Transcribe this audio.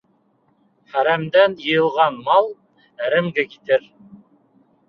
Хәрәмдән йыйылған мал әрәмгә китер.